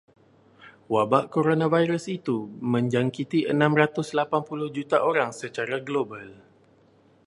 Wabak koronavirus itu menjangkiti enam ratus lapan puluh juta orang secara global.